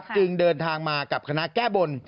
จึงเดินทางมากับคณะแก้บน